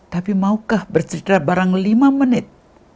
tapi maukah bercerita barang lima menit